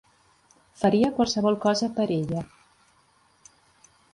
Faria qualsevol cosa per ella.